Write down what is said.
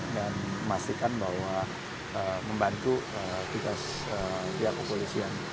dan memastikan bahwa membantu kita setiap oposisi